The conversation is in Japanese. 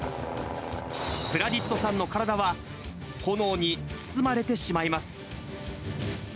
プラディットさんの体は炎に包まれてしまいます。